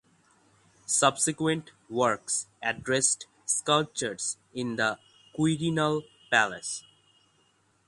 Subsequent works addressed sculptures in the Quirinal Palace.